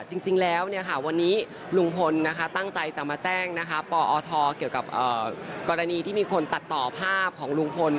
จริงแล้ววันนี้ลุงพลตั้งใจจะมาแจ้งปอทเกี่ยวกับกรณีที่มีคนตัดต่อภาพของลุงพล